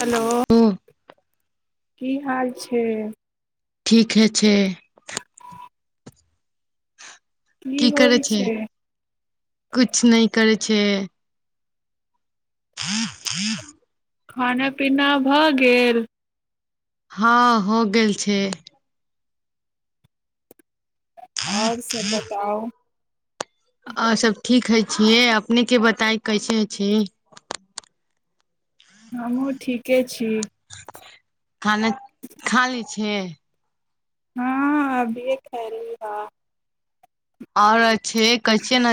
hello ओ की हाल छै ठीके छै की करै छै किछ नहि करै छै छ ह ह खाना पीना भऽ गेल हँ हो गेल छै आओर सभ बताउ छिय अपने के बताय कैसे छै हमहूँ ठीके छी खाना खाली छै हँ हँ अभी खैल ह आओर छै कहै छियै ने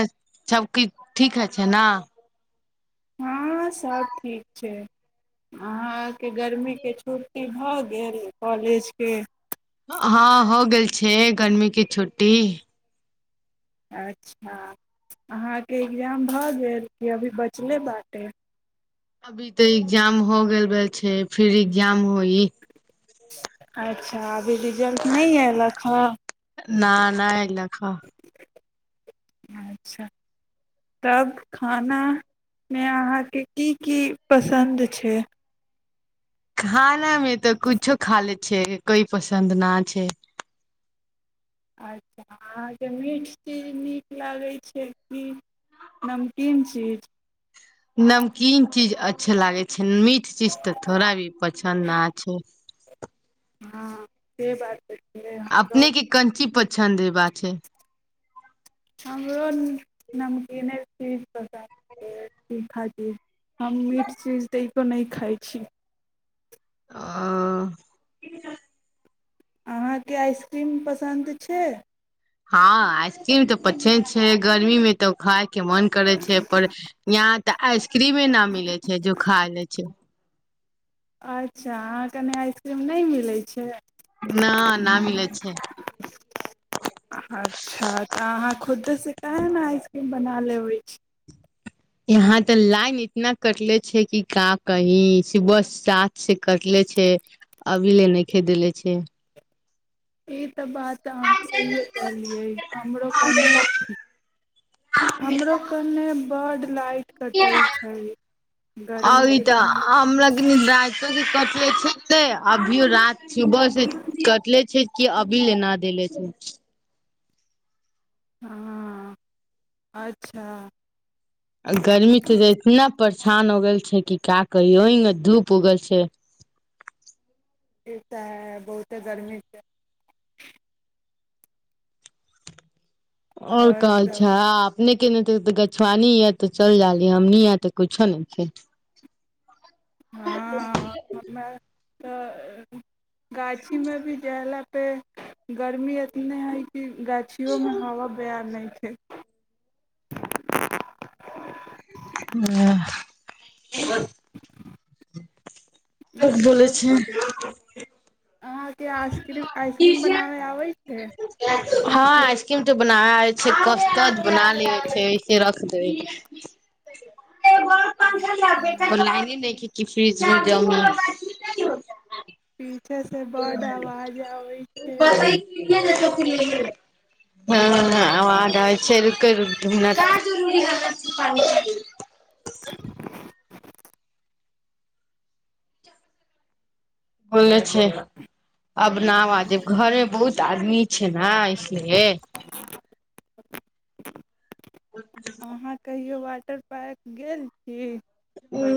सभकिछु ठीक हइ छै ने हँ सभ ठीक छै अहाँके गर्मीके छुट्टी भऽ गेल कॉलेजके हँ हो गेल छै गर्मीे छुट्टी अच्छा अहाँके एग्जाम भऽ गेल कि अभी बचले बाटे अभी तऽ एग्जाम हो गेल रहल छै फिर जाम होइ अच्छा अभी रिजल्ट नहि अयलक हे न नहिा इ लख अच्छा तब खानामे अहाँके की की पसन्द छै खाना मे तऽ कुछो खा ले छै कोई पसन्द न छै अच्छा अहाँके मीठ चीज नीक लागैत छै कि नमकीन चीज नमकीन चीज अच्छे लागे छै मीठ चीज तऽ ोड़ा भी पसन्द आ छै हँ से बात तऽ छै अपने के कञ्ची पी छन्दे बात हमगर नमकेन छै ठीक ह छै ह हम मीट चीज दै तऽ नहि खाइ छी आ अहाँके आइसक्रीम पसन्द छै हँ आइसक्रीम तऽ पछे छै गर्मी मे तऽ खााय के मन करे छै पर यहाँ तऽ आइसक्रीम न मिले छै जो खा ले छै अच्छा अहाँके नहि आइसक्रीम नहि मिलैत छै न न मीिल छै अच्छा तऽ अहाँ खुदसँ के ने आइसक्रीम बना लेबै छी यहाँ तऽ लाइन इतना कटले छै कि का कही सुबह साथ से कटले छै अभी ले नहि खेदेले छै ई [unintelligible] लाइ अ गर्मी ई के तऽ दिन मे हमरा कि र े छै अभियो रति सुबह से कटले छै कि अभी लेना देले छै हँ अच्छा गर्मी त इतना परेशान हो गेल छै की क कौ अ बधू प उगल छै त है बहुते गर्मी छै आओर कह छा ने के नहि गछुआानी य तऽ चल जााली हमनी य तऽ कछो नहि छी हँ हम तऽ गाछी मे भी जह पे गर्मी इतने है कि गाछिियोमे हवा बय नहि छै ठीक ह ब तब छी अहाँके आइसक्रीम आइसक्रीम बनाबय आबै छै हँ आइसक्रीम तऽ बनाै छै कसत बना ले छै ऐसे रख दे बान ख कि फ्रिज भी जमा ही अच्छासँ बड्ड आवाज आबै छै हँ आवाज आबै छै र [unintelligible] ब छै अब न हँ आाजेब घरे बहुत आमी अच छै ने इसलिए अहाँ कहि क वाटर पार्क गेल छी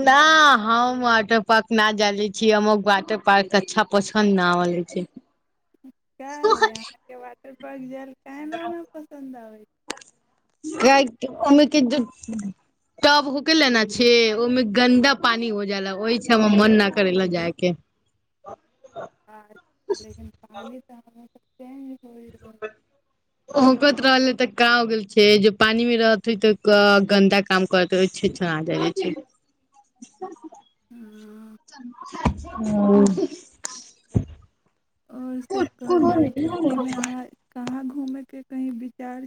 नहि हम वाटर पार्क न जाले छीिय हमर वाटर पार्क अच्छा पसन्द न होले छै ा है अहाँके बात करपबाक जाल कनला न पसन्द आबे छै क ओमे के टब होके लेना छ ओहिमे गन्दा पानी हो जााला ओहि छै हमरा मन न कर ला जाय के अचछा लेकिन पानी तऽ ओ हो कहत्र अले त ा हो गेल छै ज पानी मे रहते तऽ गन्दा काम करत छै हँ [unintelligible] ह और सब कहल जाउ छुट्टी में आहा कहा घ होमे के कही विचार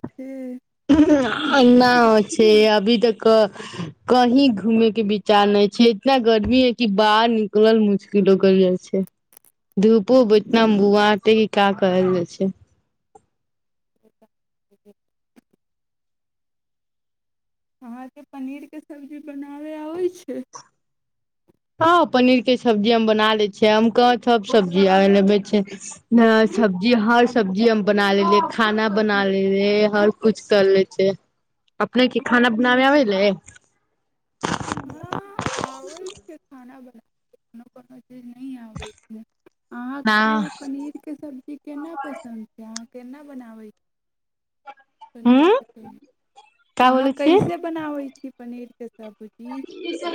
ना हो छै अभी तक कही घूमे के विचार नहि छै इतना गर्मी है कि बाहर निकलल मुश्किल हो गेलल जाइ छै धूपो पर इतना बुआते कि क करल जाइ छै [unintelligible] अहाँके पनीरके सब्जी बनाबय आबै छै हँ पनीर के सब्जी हम बना ले छियै हम कह सब सब्जी आे छै सब्जी हर सब्जी हम बना लेलियै खाना बना लेले हर कछ कर ले छ अपने के खाना बनाबे आबे हँ आबै छै [unintelligible] खाना बना को कोनो नहि आबै छै न अहाँके पनीर के सब्जी केना पसन्द छै अहाँ केना बनाबै हूँ पनीरनी का अहाँ बोलै कैसे छियै बनाबै छी पनीर के सबाबुज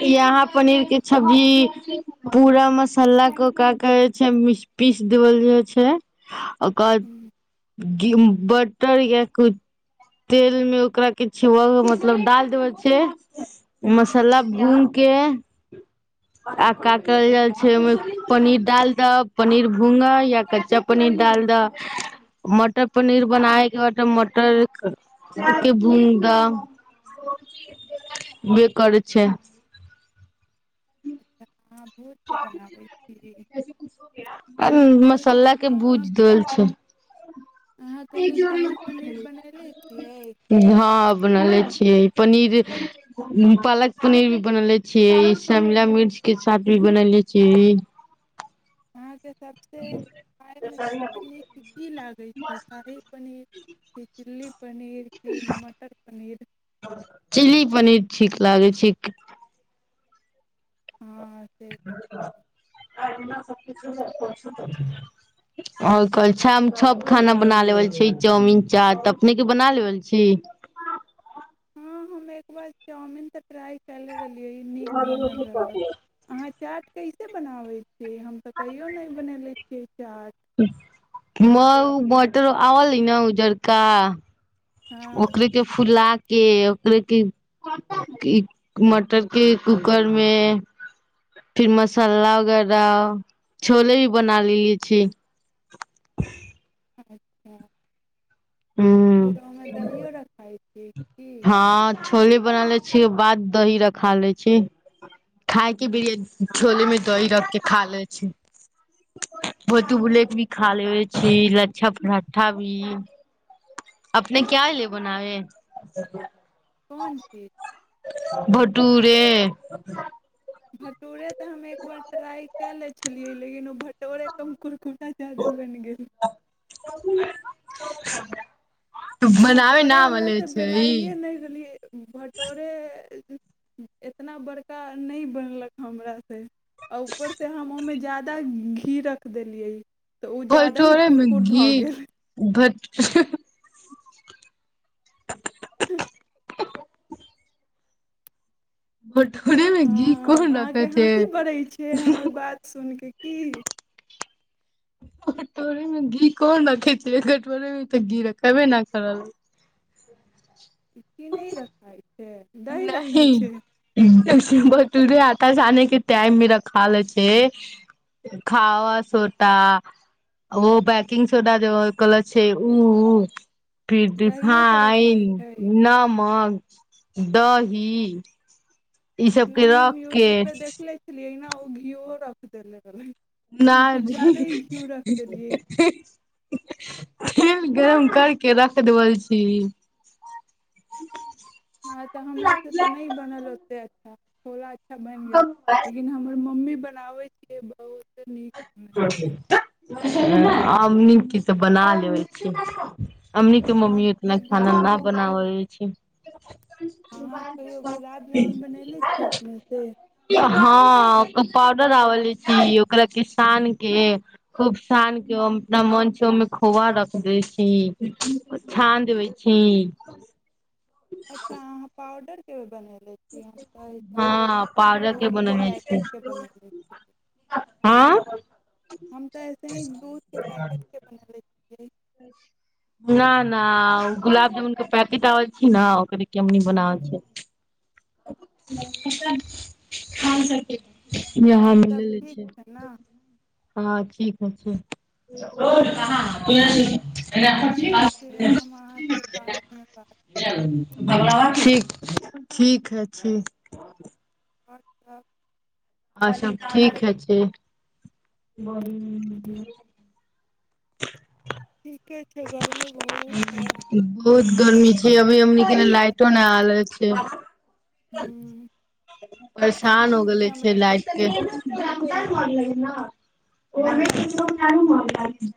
यहाँ पनीर के सब्जी पूरा मसाला के ओक के छै पीस देल जाइ छै अकाय बटर या कछ तेल मे ओकरा किछ मतलब डाल देब छै मसाला भूस के आ का कल जाइ छै ओहिमे पनीर डाल दह पनीर भूंगह या कच्चा पनीर डाल दह मटर पनीर बनाबयके बाद मटर के भूंग द करै छै अहाँ भोजके बनाबै छी अहाँ कहियो सा- मसाला के अहाँ भूज देल छै अहाँ कहियो शाही पनीर बनैले छियै हँ बनले छियै पनीर पालक पनीर भी बनले छियै शिमला मिर्च के साथ भी बनले छियै सबसँ खाायमे सबसँ नीक की लागै छै शाही पनीर चिलली पनीर की मटर पनीर ची पनीर ठीक लागै छैठीक हँ से अच आओर कह छै हम सभ खाना बना लेबल छी चाउमिन चाट तऽ अपनेके बना लेबल छी हँ हम एक बार चाउमिन तऽ फ्राई करे िय नीक बनल रहलक अहाँ चाट के कते बनाबे छीिय हम तऽ कहियो ने बनेले छियै चाट महु मोटर आ ल न उजरका हँ ओकरे के फुला के ओकरे मटर के कूकर मे फिर मसाला वगैरह छोले भी बना ल छी अच्छा ह फेर ओहिमे दहिओ रखाइ छीिय की उ के बाद दही रखा ले छी खााय केर छोले मे दही रख के खा ले छी भोती बुले के भी खा ले छी लच्छा पराठा भी अपने क्य ले बनावे पन ची टुरे भटोरे तऽ हम एकबार ट्राइ क ले छलियै लेकिन ओ भटोरे कमकुरकुर क जादाा बन गेल बनावे भटोरे ना हमरास मले से छै बेलइए नहि रहलियै भटोरे इतना बड़का नहि बनलक हमरासँ आ ऊपरसँ हम ओहिमे ज्यादा घी रख देलियै तऽ ओ ज्यादा ही भलटोरेमे कुरकुर घी भऽ गेल भ [unintelligible] ठ घ हँ अहाँके हँसी बड़ै छै हमर बात सुनि कऽ की कटोरीे मे घी कोन रखे छै कटोरे मे तऽ घी रखबे नहि करल ई की नहि रखाइ छै दहिी रखाय छै े आता जाे के टाइम मेी र ख ले छै खावा सोटा ओ बैकिंग सोडा जे कहले छै ओ दहियो तऽ रखाइ फिरडिफाइन छै नमक [unintelligible] दहिी नहि हम यूट्यूब पे देखले छलियै घिओ रखि देै ब नहि देलियै गरम करके रख देबल छी हँ तऽ हमर से तऽ नहि बनल ओते [unintelligible] बनि गेल लेकिन हमनी हमर मम्मी बनाबै छियै बहुते नीक बनै छै [unintelligible] आम नीक तऽ बना लेबै छी अमी के मम्मी इतना अहाँके खान गुलाब न बनाबै छी अहाँ कहियौ गुलाब जामुन बनयने छियै अपनेसँ ओ पउडर आवलि छी ओकरा के सान के खूब सान के ओ अपना मन छै ओहिमे खोआ रख दै छी छान देै छी अच्छा अहाँ पाउडर के बन हँ तऽ पाउडर के ऐसे ही दूधके बनने छी पैकेटके बनैले छी हँ हम तऽ ऐसे ही दूधके पैकेटके [unintelligible] न न गुलाब जामुन के पैकेट आबल छी ने ओकरे केमनी बनावै छै खान सर के आओर सभ ठीक छै ने हँ ठीक होइ छै ठीक छै हम अहाँसे बादमे बात करब ठीक ठीक अछि आओर सब आओर सब ठीक है छै बड़ ह्म छै गरमी बहुत हइ बहुत हम गर्मी छै अहाँसँ अभी हमनी बादमे के बात लाइटो नहि आले छै करब परेशान हो ठीक गेले हम छै रखै छी लाइट के ओ [unintelligible]